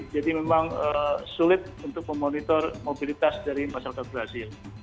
jadi memang sulit untuk memonitor mobilitas dari masyarakat brazil